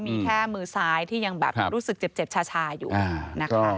มีแค่มือซ้ายที่ยังแบบรู้สึกเจ็บชาอยู่นะคะ